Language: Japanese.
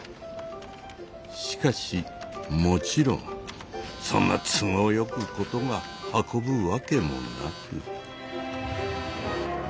しかしもちろんそんな都合よく事が運ぶわけもなく。